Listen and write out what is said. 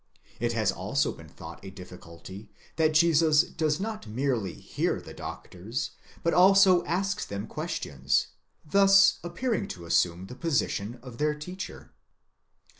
It has also been thought a diffi culty, that Jesus does not merely hear the doctors, but also asks them ques tions, thus appearing to assume the position of their teacher.